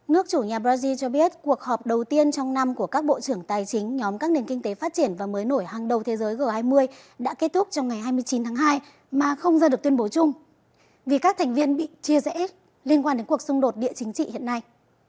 nước chủ nhà brazil cho biết cuộc họp đầu tiên trong năm của các bộ trưởng tài chính nhóm các nền kinh tế phát triển và mới nổi hàng đầu thế giới g hai mươi đã kết thúc trong ngày hai mươi chín tháng hai mà không ra được tuyên bố chung vì các thành viên bị chia rẽ liên quan đến cuộc xung đột địa chính trị hiện nay